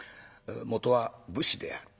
元は武士である。